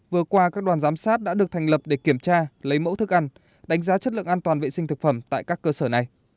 vừa qua các đoàn giám sát đã được thành lập để kiểm tra lấy mẫu thức ăn đánh giá chất lượng an toàn vệ sinh thực phẩm tại các cơ sở này